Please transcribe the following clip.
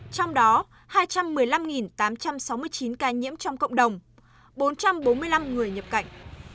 trong đó hai trăm một mươi năm tám trăm sáu mươi chín ca nhiễm trong cộng đồng bốn trăm bốn mươi năm người nhập cảnh